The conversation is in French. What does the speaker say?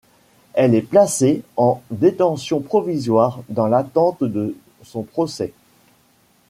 Elle est placée en détention provisoire dans l'attente de son procès.